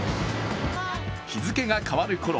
日付が変わるころ